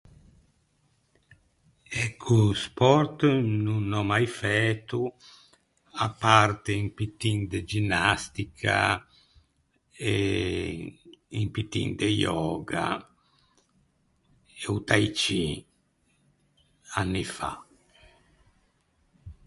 Ecco, sport no n’ò mai fæto, à parte un pittin de ginnastica e un pittin de yoga, e o tai chi, anni fa.